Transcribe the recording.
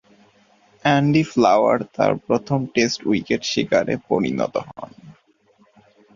Andy Flower তার প্রথম test wicket শিকারে পরিণত হন।